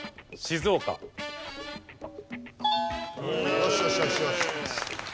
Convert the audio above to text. よしよしよしよし。